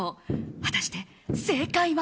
果たして正解は。